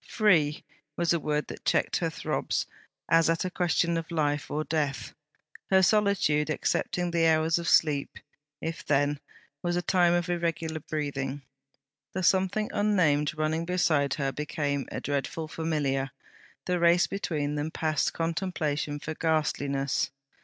'Free,' was a word that checked her throbs, as at a question of life or death. Her solitude, excepting the hours of sleep, if then, was a time of irregular breathing. The something unnamed, running beside her, became a dreadful familiar; the race between them past contemplation for ghastliness.